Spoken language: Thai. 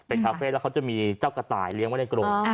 เป็นคาเฟ่แล้วเขาจะมีเจ้ากระต่ายเลี้ยงไว้ในกรง